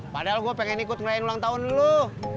padahal gue pengen ikut ngelayain ulang tahun lu